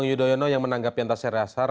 susilo obamanggola yang menanggapi antasari ashar